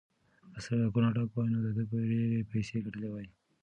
که سړکونه ډک وای نو ده به ډېرې پیسې ګټلې وای.